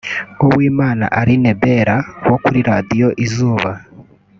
Uwimana Aline Bella wo kuri Radio Izuba